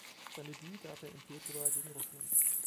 Sein Debüt gab er im Februar gegen Russland.